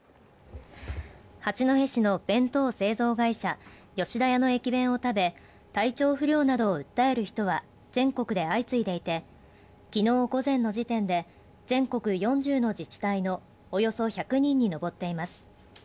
八戸市の弁当製造会社吉田屋の駅弁を食べ体調不良などを訴える人は全国で相次いでいてきのう午前の時点で全国４０の自治体のおよそ１００人に上っています